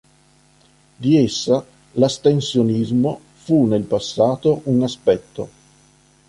Di essa l'"astensionismo" fu nel passato un aspetto.